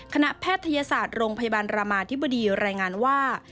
แพทยศาสตร์โรงพยาบาลรามาธิบดีรายงานว่า